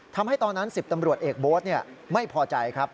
ทำให้ตอนนั้นสิบตำรวจเอกโบสต์ไม่พอใจ